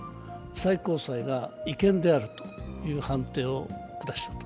最高裁が違憲であるという判定を下したと。